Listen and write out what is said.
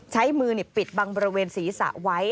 ใช้มือนี่ปิดบางบริเวณศรีษะไว้